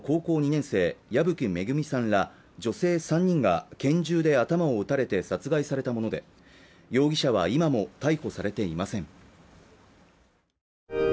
年生矢吹恵さんら女性３人が拳銃で頭を撃たれて殺害されたもので容疑者は今も逮捕されていません